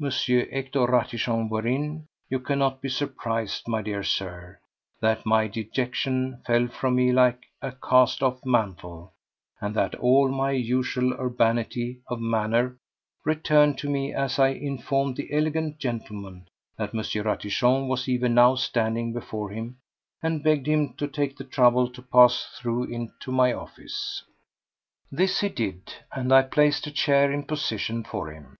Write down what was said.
Hector Ratichon were in, you cannot be surprised, my dear Sir, that my dejection fell from me like a cast off mantle and that all my usual urbanity of manner returned to me as I informed the elegant gentleman that M. Ratichon was even now standing before him, and begged him to take the trouble to pass through into my office. This he did, and I placed a chair in position for him.